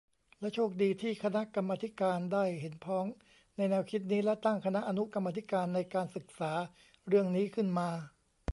และโชคดีที่คณะกรรมาธิการได้เห็นพ้องในแนวคิดนี้ และตั้งคณะอนุกรรมาธิการในการศึกษาเรื่องนี้ขึ้นมา